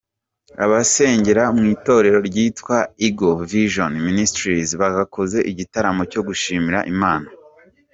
Abasengera mu itorero ryitwa Eagle Vision Ministries bakoze igitaramo cyo gushimira Imana.